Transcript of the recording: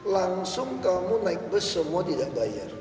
langsung kamu naik bus semua tidak bayar